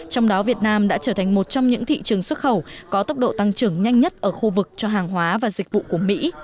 trong đó việt nam đã trở thành một trong những thị trường xuất khẩu có tốc độ tăng trưởng nhanh nhất ở khu vực cho hàng hóa và dịch vụ của mỹ